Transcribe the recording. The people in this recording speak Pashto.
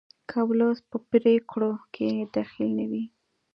که ولس په پریکړو کې دخیل نه وي